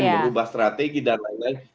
merubah strategi dan lain lain